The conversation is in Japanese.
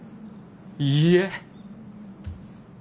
いいえ。